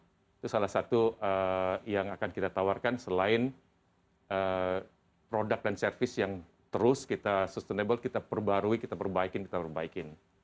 itu salah satu yang akan kita tawarkan selain produk dan servis yang terus kita sustainable kita perbarui kita perbaikin kita perbaikin